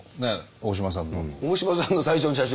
大島さんの最初の写真？